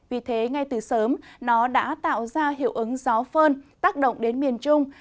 vì thế ngay từ sớm nó đã tạo ra hiệu ứng gió phơn tác động đến miền trung